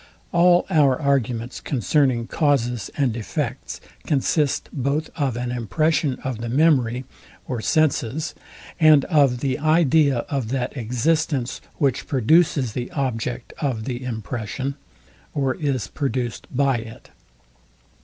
All our arguments concerning causes and effects consist both of an impression of the memory or, senses, and of the idea of that existence, which produces the object of the impression, or is produced by it.